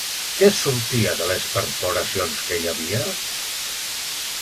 Què sortia de les perforacions que hi havia?